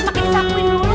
makin disakuin dulu